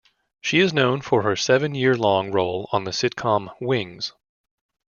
She is known for her seven-year-long role on the sitcom "Wings".